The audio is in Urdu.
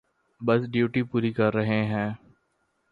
بس ڈیوٹی پوری کر رہے ہیں۔